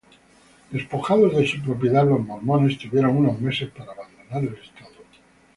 Despojados de su propiedad, los mormones tuvieron unos meses para abandonar el estado.